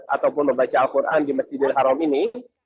ataupun membaca al qur'an di masjid al haram ini